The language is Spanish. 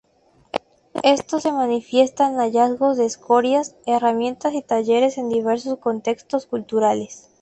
Esto se manifiesta en hallazgos de escorias, herramientas y talleres en diversos contextos culturales.